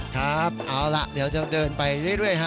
ครับเอาล่ะเดี๋ยวจะเดินไปเรื่อยฮะ